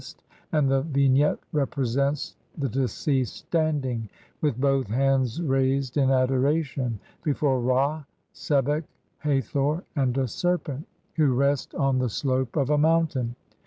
ST," and the vignette represents the deceased standing, with both hands raised in adoration, before Ra, Sebek, Hathor, and a serpent, who rest on the slope of a mountain.